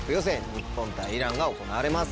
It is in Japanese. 日本対イランが行われます。